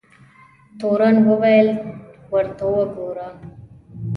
تورن وویل ورته وګوره.